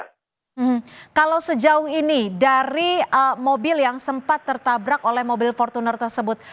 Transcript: hmm kalau sejauh ini dari mobil yang sempat tertabrak oleh mobil fortuner tersebut